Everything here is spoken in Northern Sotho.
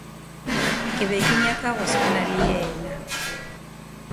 Ke be ke nyaka go swana le yena.